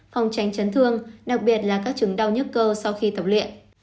phòng tránh chấn thương đặc biệt là các chứng đau nhất cơ sau khi tập luyện